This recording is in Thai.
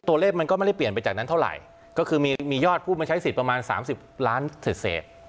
ตัวเลขมันก็ไม่ได้เปลี่ยนไปจากนั้นเท่าไหร่ก็คือมียอดผู้มาใช้สิทธิ์ประมาณ๓๐ล้านเศษ